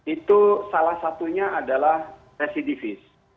itu salah satunya adalah residivis